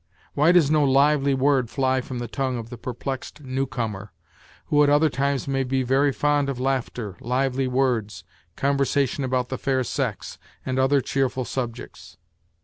Why does no lively word fly from the tongue of the perplexed newcomer, who at other times may be very fond of laughter, lively words, conversation about the fair sex, and other cheerful subjects